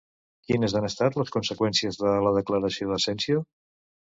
Quines han estat les conseqüències de la declaració d'Asensio?